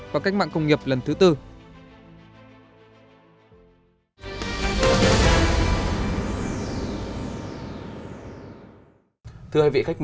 và cách mạng công nghiệp lần thứ bốn